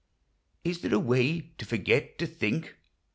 Is there a way to forget to think